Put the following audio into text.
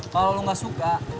kalau lo nggak suka